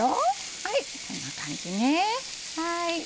はいこんな感じね。